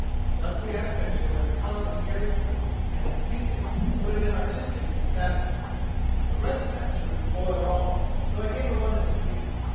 Thus we had a picture where the colour was carried through, and, if painted, would have been artistic and satisfying. A red sash would have spoiled all, so I gave her one that was green.